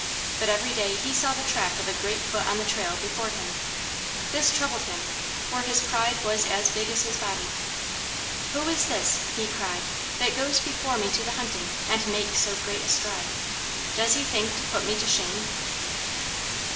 But every day he saw the track of a great foot on the trail, before him. This troubled him, for his pride was as big as his body. "Who is this," he cried, "that goes before me to the hunting, and makes so great a stride? Does he think to put me to shame?"